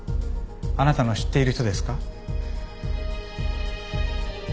あなたの知っている人ですか？